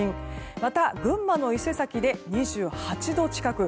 また、群馬の伊勢崎で２８度近く。